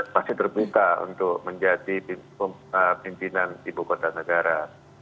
kita pasti terbuka untuk menjadi pimpinan ibu kota negara